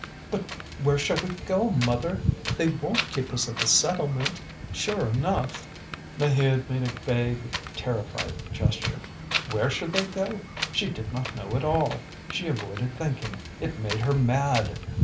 "But where shall we go, mother? They won't keep us at the settlement, sure enough." Maheude made a vague, terrified gesture. Where should they go to? She did not know at all; she avoided thinking, it made her mad.